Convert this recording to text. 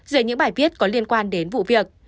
rồi những bài viết có liên quan đến vụ việc